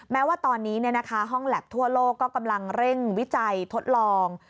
แม้ว่าตอนนี้ห้องแล็บทั่วโลกก็กำลังเร่งวิจัยทดลอง